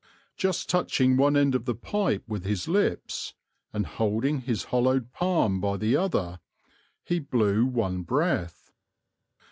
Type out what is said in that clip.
Just touching one end of the pipe with his lips, and holding his hollowed palm by the other end, he blew one breath.